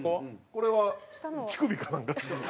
これは乳首かなんかですか？